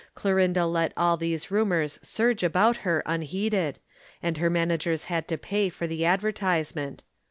Clorinda let all these rumors surge about her unheeded, and her managers had to pay for the advertisement.